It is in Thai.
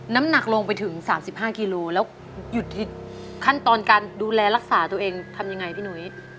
น้ำหนักลงไปถึง๓๕กิโลแล้วหยุดขั้นตอนการดูแลรักษาตัวเองทำยังไงพี่หนุ้ย